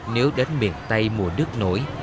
nếu đến miền tây mùa nước nổi